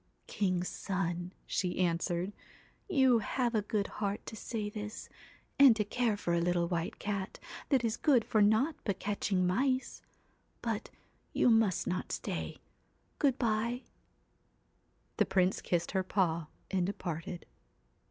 'King's son,' she answered, 'you have a good heart to say this, and to care for a little white cat, that is good for naught but catching mice; but you must not stay. Good bye.' The Prince kissed her paw and departed.